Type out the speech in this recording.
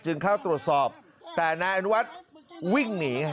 เข้าตรวจสอบแต่นายอนุวัฒน์วิ่งหนี